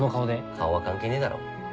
顔は関係ねえだろ。